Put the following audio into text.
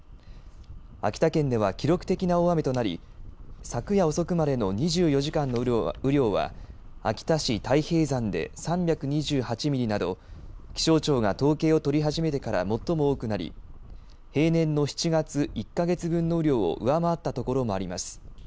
秋田県では記録的な大雨となり昨夜遅くまでの２４時間の雨量は秋田市太平山で３２８ミリなど気象庁が統計を取り始めてから最も多くなり平年の７月１か月分の雨量を上回ったところもあります。